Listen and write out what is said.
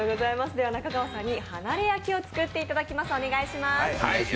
では中川さんにＨＡＮＡＲＥ焼きを作っていただきます。